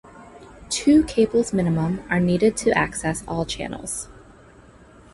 Two cables minimum are needed to access all channels.